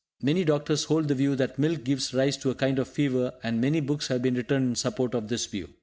Many doctors hold the view that milk gives rise to a kind of fever, and many books have been written in support of this view.